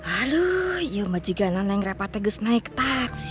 aduh iya mah juga anak yang repatnya gus naik taks